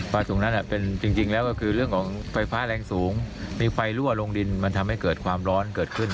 สูงนั้นจริงแล้วก็คือเรื่องของไฟฟ้าแรงสูงมีไฟรั่วลงดินมันทำให้เกิดความร้อนเกิดขึ้น